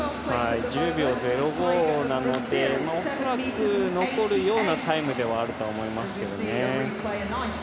１０秒０５なのでおそらく残るようなタイムではあると思います。